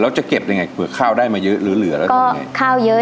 เราจะเก็บได้อย่างไรเผื่อก็ข้าวได้มาเยอะแล้วทำไง